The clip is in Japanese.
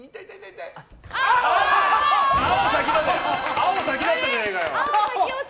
青、先だったじゃねえか。